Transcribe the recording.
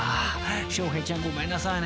翔平ちゃんごめんなさいね］